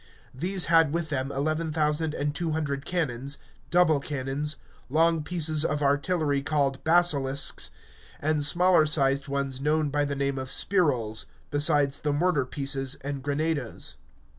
These had with them eleven thousand and two hundred cannons, double cannons, long pieces of artillery called basilisks, and smaller sized ones known by the name of spirols, besides the mortar pieces and grenadoes.